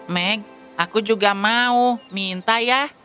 meg aku juga mau minta ya